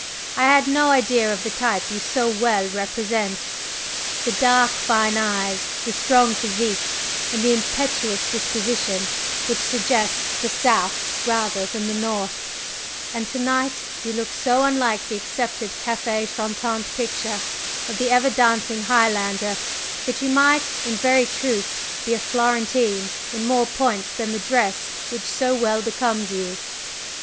I had no idea of the type you so well represent, the dark, fine eyes, the strong physique, and the impetuous disposition which suggests the South rather than the North; and to night you look so unlike the accepted café chantant picture of the ever dancing Highlander that you might in very truth be a Florentine in more points than the dress which so well becomes you.